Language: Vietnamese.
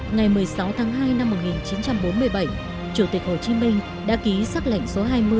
ngày một mươi sáu tháng hai năm một nghìn chín trăm bốn mươi bảy chủ tịch hồ chí minh đã ký xác lệnh số hai mươi